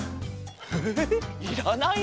えいらない？